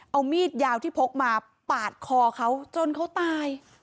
เอามีดยาวที่พกมาปาดคอเขาจนเขาตาย